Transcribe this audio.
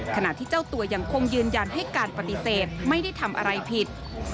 ขณะที่เจ้าตัวยังคงยืนยันให้การปฏิเสธไม่ได้ทำอะไรผิด